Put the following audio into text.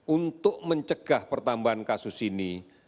untuk mencegah pertambahan kasus ini